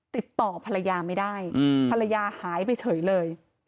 ติดต่อภรรยาไม่ได้ภรรยาหายไปเฉยเลย